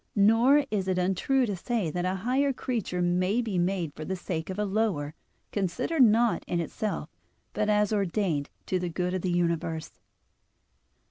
Nor is it untrue to say that a higher creature may be made for the sake of a lower, considered not in itself, but as ordained to the good of the universe.